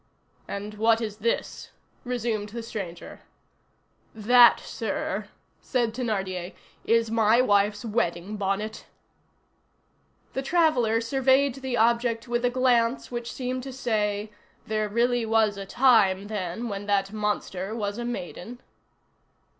"And what is this?" resumed the stranger. "That, sir," said Thénardier, "is my wife's wedding bonnet." The traveller surveyed the object with a glance which seemed to say, "There really was a time, then, when that monster was a maiden?"